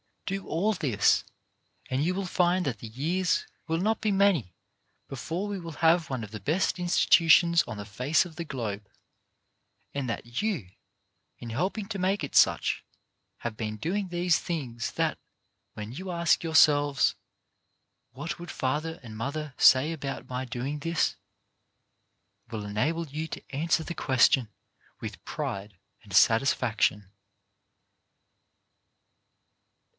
Do all this, and you will find that the years will not be many before we will have one of the best institutions on the face of the globe, and that you, in helping to make it such, have been doing things that, when you ask yourselves: "What would father and mother say about my doing this?" will enable you to answer the question with pride and satisfaction.